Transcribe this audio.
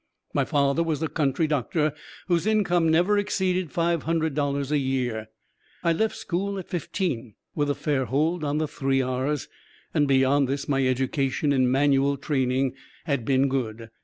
My father was a country doctor, whose income never exceeded five hundred dollars a year. I left school at fifteen, with a fair hold on the three R's, and beyond this my education in "manual training" had been good.